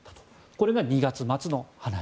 これが２月末の話。